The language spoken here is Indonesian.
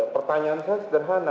pertanyaan saya sederhana